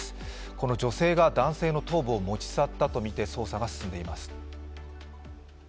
この女性が男性の頭部を持ち去ったとみて捜査が進んでいます。